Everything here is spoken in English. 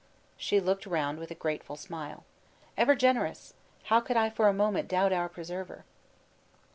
She looked round with a grateful smile; "Ever generous! How could I for a moment doubt our preserver?"